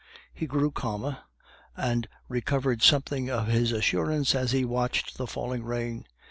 He grew calmer, and recovered something of his assurance as he watched the falling rain.